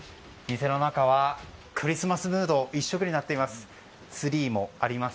店の中はクリスマスムード一色になっています。